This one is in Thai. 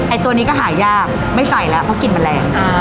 ตัวนี้ก็หายากไม่ใส่แล้วเพราะกลิ่นมันแรง